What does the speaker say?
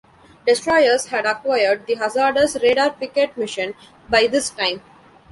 Destroyers had acquired the hazardous radar picket mission by this time.